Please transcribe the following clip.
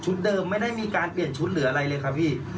เดิมไม่ได้มีการเปลี่ยนชุดหรืออะไรเลยค่ะพี่